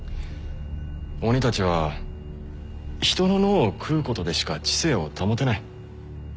鬼たちは人の脳を食うことでしか知性を保てない。